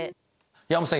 山本さん